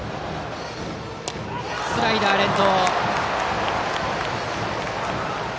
スライダー連投。